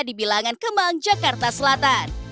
di bilangan kemang jakarta selatan